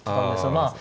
まあ